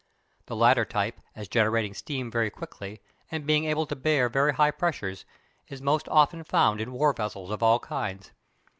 The latter type, as generating steam very quickly, and being able to bear very high pressures, is most often found in war vessels of all kinds.